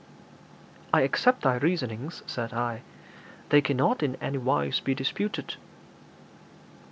'I accept thy reasonings,' said I; 'they cannot in any wise be disputed.'